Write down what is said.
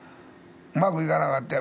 うまくいかなかった